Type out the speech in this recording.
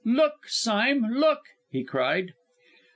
"Look, Sime! look!" he cried.